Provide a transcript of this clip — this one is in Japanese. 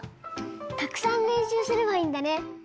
たくさんれんしゅうすればいいんだね。